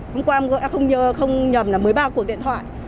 hôm qua không nhầm là một mươi ba cuộc điện thoại